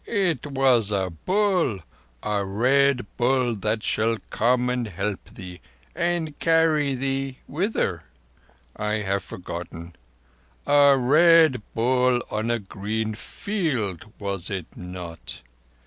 "It was a bull—a Red Bull that shall come and help thee and carry thee—whither? I have forgotten. A Red Bull on a green field, was it not?"